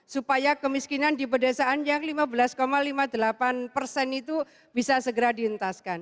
supaya kemiskinan di pedesaan yang lima belas lima puluh delapan persen itu bisa segera dihentaskan